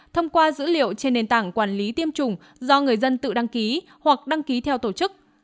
thông qua dữ liệu trên nền tảng quản lý tiêm chủng do người dân tự đăng ký hoặc đăng ký theo tổ chức